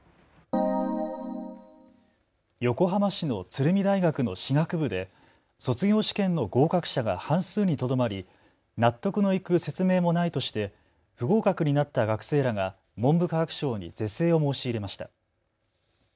横浜市の鶴見大学の歯学部で卒業試験の合格者が半数にとどまり納得のいく説明もないとして不合格になった学生らが文部科学省に是正を申し入れました。